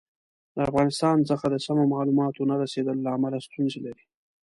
د افغانستان څخه د سمو معلوماتو نه رسېدلو له امله ستونزې لري.